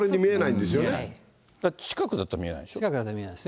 近くだったら見えないんでしょ？